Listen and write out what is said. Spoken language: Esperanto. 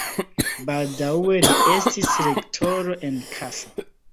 Baldaŭe li estis rektoro en Kassa.